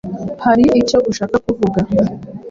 Hari icyo ushaka kuvuga?